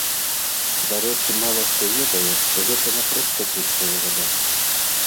Дарэчы, мала хто ведае, што гэта не проста чыстая вада.